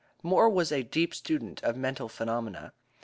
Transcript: Moore was a deep student of mental phenomena.